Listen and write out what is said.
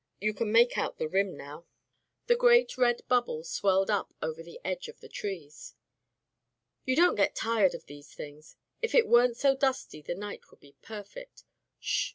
You can make out the rim now." The great red bubble swelled up over the edge of the trees. "You don't get tired of these things. If it weren't so dusty, the night would be perfect. 'Sh!